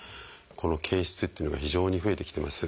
この憩室っていうのが非常に増えてきてます。